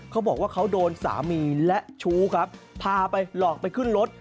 เขาบอกว่าเขาโดนสามีและชู้ครับพาไปหลอกไปขึ้นรถ